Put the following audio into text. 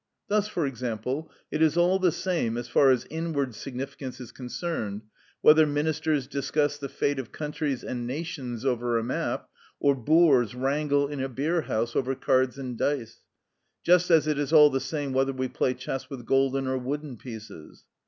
Thus, for example, it is all the same, as far as inward significance is concerned, whether ministers discuss the fate of countries and nations over a map, or boors wrangle in a beer house over cards and dice, just as it is all the same whether we play chess with golden or wooden pieces.